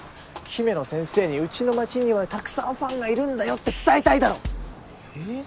姫乃先生にうちの町にはたくさんファンがいるんだよって伝えたいだろえっ？